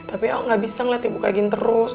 tapi el gak bisa ngeliat ibu kayak gini terus